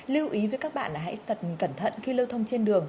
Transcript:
lưu ý với các bạn là hãy cẩn thận khi lưu thông trên đường